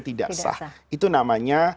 tidak sah itu namanya